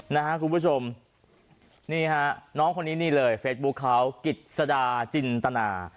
นะฮะคุณผู้ชมนี่ฮะน้องคนนี้นี่เลยเฟซบุ๊คเขากิจสดาจินตนา